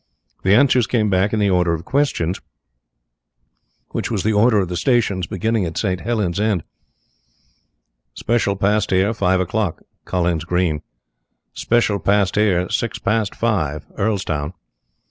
The answers came back in the order of questions, which was the order of the stations beginning at the St. Helens end "Special passed here five o'clock. Collins Green." "Special passed here six past five. Earlstown."